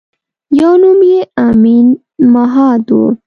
یوه نوم یې امین مهات وه.